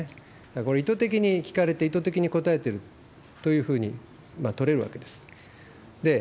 これ、意図的に聞かれて、意図的に答えてるというふうに取れるわけです。